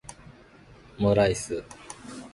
omuraisu